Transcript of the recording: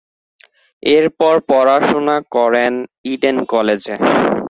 এরপর পড়াশুনা করেন ইডেন কলেজে।